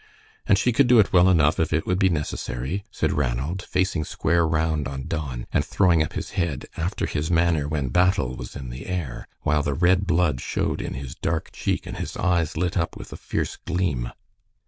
"And she could do it well enough if it would be necessary," said Ranald, facing square round on Don, and throwing up his head after his manner when battle was in the air, while the red blood showed in his dark cheek and his eyes lit up with a fierce gleam.